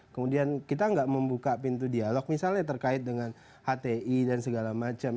kemudian kita tidak membuka pintu dialog misalnya terkait dengan hti dan segala macam